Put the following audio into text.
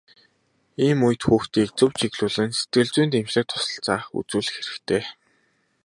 Ийм үед хүүхдийг зөв чиглүүлэн сэтгэл зүйн дэмжлэг туслалцаа үзүүлэх хэрэгтэй.